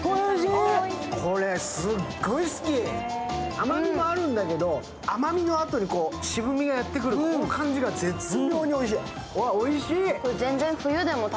甘みもあるんだけど、甘みのあとに渋みがやってくるこの感じが絶妙においしい。